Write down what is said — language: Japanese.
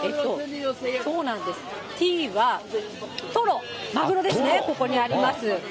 そうなんです、Ｔはトロ、マグロですね、ここにあります。